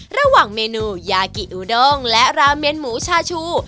ระหว่างเมนูยากิอูดงและราเมียนหมูชาชู